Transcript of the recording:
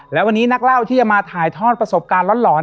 และวันนี้นักเล่าที่จะมาถ่ายทอดประสบการณ์หลอน